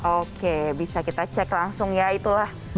oke bisa kita cek langsung ya itulah